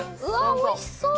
おいしそう！